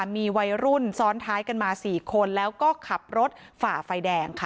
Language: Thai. มีวัยรุ่นซ้อนท้ายกันมา๔คนแล้วก็ขับรถฝ่าไฟแดงค่ะ